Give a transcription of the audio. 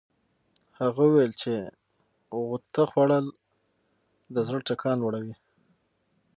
هغه وویل چې غوطه خوړل د زړه ټکان لوړوي.